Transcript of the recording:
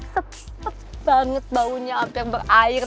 cepat banget baunya hampir berair